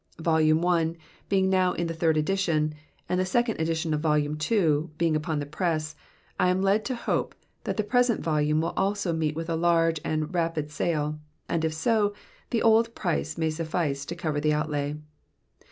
Volume I. being now in the third edition, and the second edition of Volume II. being upon the press, I am led to hope that the present volume will also meet with a large and rapid sale ; and if so, the old price may suffice to cover the outlay.